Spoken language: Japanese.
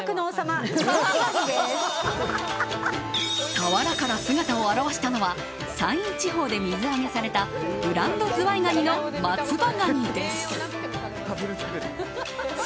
俵から姿を現したのは山陰地方で水揚げされたブランドズワイガニの松葉ガニです。